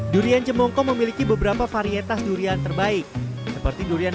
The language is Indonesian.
durian jemongko memiliki beberapa varietas durian terbaik seperti durian